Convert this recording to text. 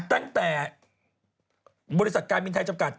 ตั้งแต่บริษัทกาลมินทร์ไทยมีเฉพาะจบกัด